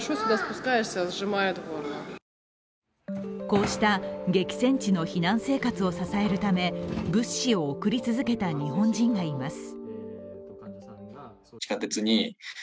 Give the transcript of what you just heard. こうした激戦地の避難生活を支えるため物資を送り続けた日本人がいます。